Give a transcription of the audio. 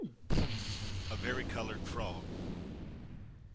A VARICOLORED FROG.